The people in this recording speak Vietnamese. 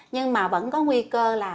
nhưng mà vẫn có nguy cơ là